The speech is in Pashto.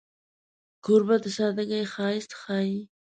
کوربه د سادګۍ ښایست ښيي.